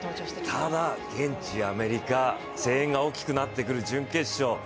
ただ現地アメリカ声援が大きくなってくる準決勝。